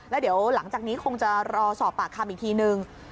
แล้วเดี๋ยวหลังจากนี้คงจะรอสอบปากคำอีกทีนึง